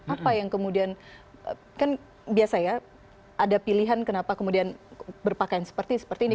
apa yang kemudian kan biasa ya ada pilihan kenapa kemudian berpakaian seperti seperti ini